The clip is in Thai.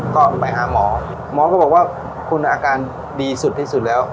ก็ไปหาหมอหมอก็บอกว่าคุณอาการดีสุดที่สุดแล้ว